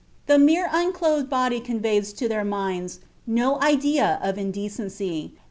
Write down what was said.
The mere unclothed body conveys to their minds no idea of indecency.